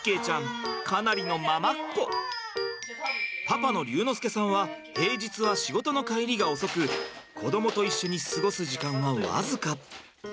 パパの龍之介さんは平日は仕事の帰りが遅く子どもと一緒に過ごす時間は僅か。